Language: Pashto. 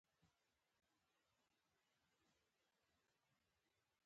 ښامار په ښار کې ګرځي سړي الوزوي او خوري.